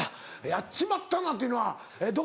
「やっちまったな！」っていうのはどこ？